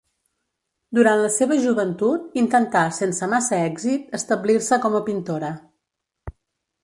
Durant la seva joventut, intentà, sense massa èxit, establir-se com a pintora.